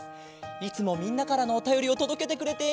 いつもみんなからのおたよりをとどけてくれて。